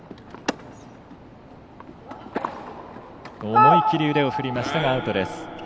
思い切り腕を振りましたがアウトです。